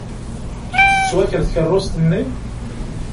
Tettwaker tkeṛṛust-nni?